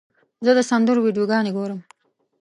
زه د سندرو ویډیوګانې ګورم.